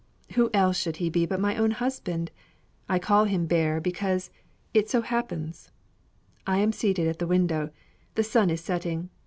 Who else should he be but my own husband? I call him Bear because it so happens. I am seated at the window. The sun is setting.